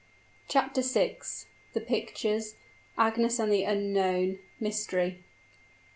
CHAPTER VI. THE PICTURES AGNES AND THE UNKNOWN MYSTERY.